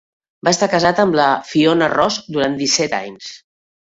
Va estar casat amb la Fiona Ross durant disset anys.